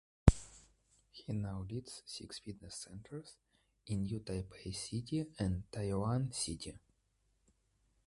He now leads six fitness centers in New Taipei City and Taoyuan City.